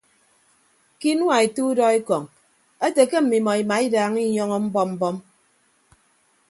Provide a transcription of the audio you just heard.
Ke inua ete udọ ekọñ ete ke mmimọ imaidaaña inyọñọ mbọm mbọm.